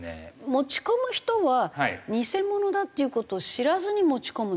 持ち込む人は偽物だっていう事を知らずに持ち込むんですか？